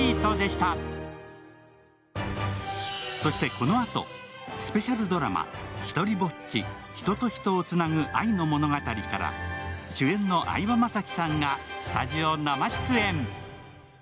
このあと、スペシャルドラマ「ひとりぼっち―人と人をつなぐ愛の物語―」から主演の相葉雅紀さんがスタジオ生出演。